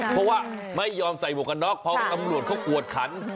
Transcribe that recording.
เพราะว่าไม่ยอมใส่หมวกกันน็อกเพราะตำรวจเขากวดขัน